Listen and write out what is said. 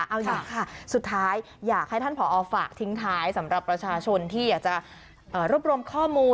เอาอย่างนี้ค่ะสุดท้ายอยากให้ท่านผอฝากทิ้งท้ายสำหรับประชาชนที่อยากจะรวบรวมข้อมูล